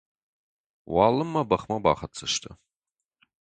Уалынмӕ бӕхмӕ бахӕццӕ сты.